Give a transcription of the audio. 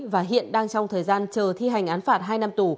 và hiện đang trong thời gian chờ thi hành án phạt hai năm tù